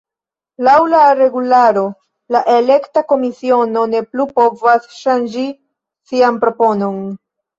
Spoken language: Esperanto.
Laŭ la regularo, la elekta komisiono ne plu povas ŝanĝi sian proponon.